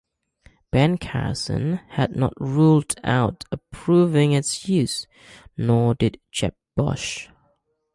Ben Carson had not ruled out approving its use, nor did Jeb Bush.